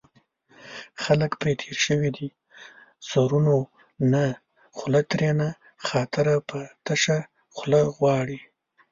خلک پرې تېر شوي دي سرونو نه خوله ترېنه خاطر په تشه خوله غواړي